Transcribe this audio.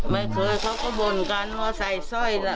ไม่เคยเขาก็บ่นกันว่าใส่สร้อยล่ะ